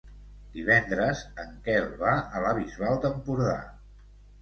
Divendres en Quel va a la Bisbal d'Empordà.